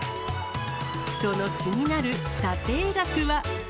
その気になる査定額は。